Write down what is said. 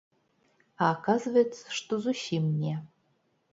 А аказваецца, што зусім не.